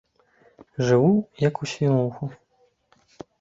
Жыву, як у свінуху.